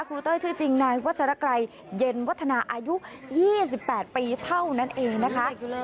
ครูเต้ยชื่อจริงนายวจรกรายเย็นวัฒนาอายุยี่สิบแปดปีเท่านั้นเองนะคะ